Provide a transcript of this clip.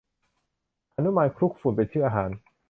หนุมานคลุกฝุ่น เป็นชื่ออาหาร